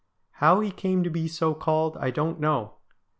How he came to be so called I don't know.